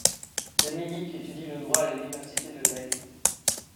Demmink étudie le droit à l'Université de Leyde.